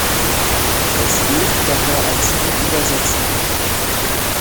Es gilt daher als unübersetzbar.